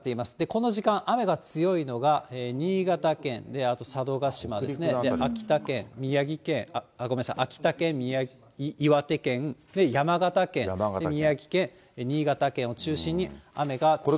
この時間、雨が強いのが新潟県、佐渡島ですね、秋田県、宮城県、ごめんなさい、秋田県、岩手県、山形県、宮城県、新潟県を中心に雨が強まっています。